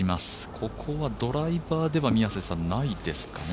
ここはドライバーではないですかね。